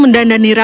ada dua tano